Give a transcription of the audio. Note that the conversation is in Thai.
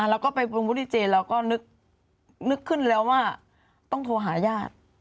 เราก็ไปบุ๊ชดีเจย์เราก็นึกขึ้นแล้วว่าต้องโทรหาญาติ